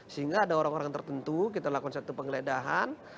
sehingga ada orang orang tertentu kita lakukan satu penggeledahan